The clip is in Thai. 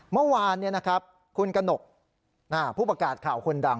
เมื่อวานคุณกระหนกผู้ประกาศข่าวคนดัง